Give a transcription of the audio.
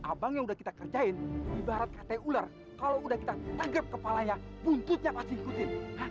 abangnya udah kita kerjain ibarat kt ular kalau udah kita tangkap kepalanya buntutnya pasti